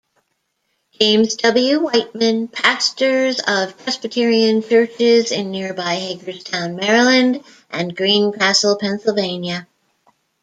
James W. Wightman, pastors of Presbyterian churches in nearby Hagerstown, Maryland, and Greencastle, Pennsylvania.